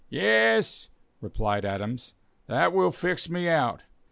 "Yes," replied Adams, "that will fix me out.